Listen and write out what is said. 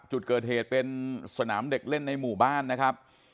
จุดเกิดเหตุเป็นสนามเด็กเล่นในหมู่บ้านนะครับ